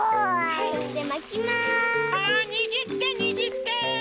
はいにぎってにぎって。